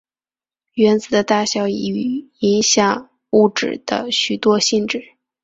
原子的大小与影响物质的许多性质。